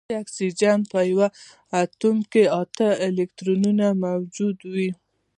د اکسیجن په یوه اتوم کې اته الکترونونه موجود وي